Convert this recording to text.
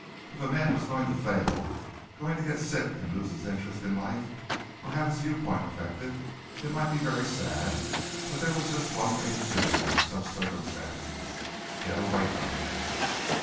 If a man was going to fail going to get sick and lose his interest in life or have his viewpoint affected, it might be very sad, but there was just one thing to do under such circumstances get away from him.